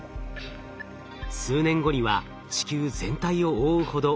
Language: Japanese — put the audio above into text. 数年後には地球全体を覆うほど